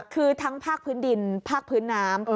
คือทั้งภาคพื้นดินภาคพื้นน้ำ